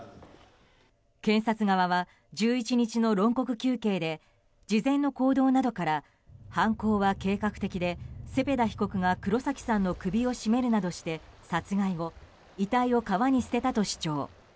検察側は１１日の論告求刑で事前の行動などから犯行は計画的でセペダ被告が黒崎さんの首を絞めるなどして殺害後遺体を川に捨てたと主張。